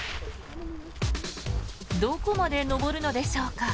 どこまで登るのでしょうか。